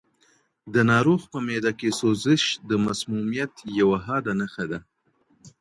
د ناروغ په معده کې سوزش د مسمومیت یوه حاده نښه ده.